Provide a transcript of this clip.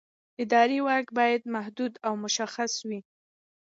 اداري واک باید محدود او مشخص وي.